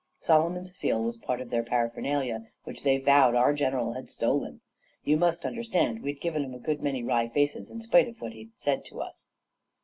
Solomon's seal was part of their paraphernalia which they vowed our general had stolen. You must understand that we'd given 'em a good many wry faces, in spite of what he had said to us.